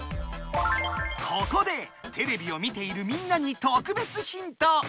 ここでテレビを見ているみんなにとくべつヒント！